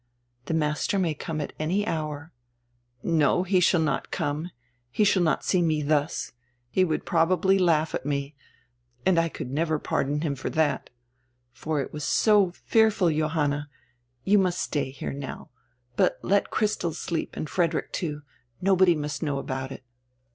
"The master may come any hour." "No, he shall not come. He shall not see me dius. He would probably laugh at me and I could never pardon him for diat. For it was so fearful, Johanna — You must stay here now — But let Christel sleep and Frederick too. Nobody must know about it."